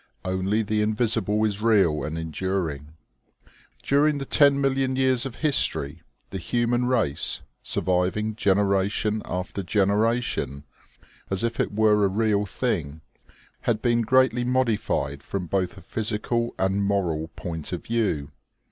Only the invisible is real and enduring. During the ten million years of history, the human race, surviving generation after generation, as if it were a real thing, had been greatly modified from both a physical and moral point of view.